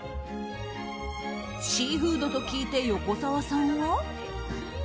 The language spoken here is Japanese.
シーフードと聞いて横澤さんは。